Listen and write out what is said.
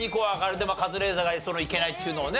でカズレーザーがそのいけないっていうのをね